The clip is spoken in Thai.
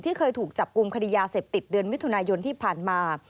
เคยถูกจับกลุ่มคดียาเสพติดเดือนมิถุนายนที่ผ่านมา